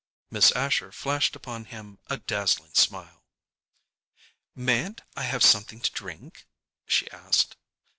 Miss Asher flashed upon him a dazzling smile. "Mayn't I have something to drink?" she asked.